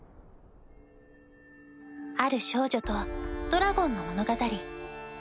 ある少女とドラゴンの物語。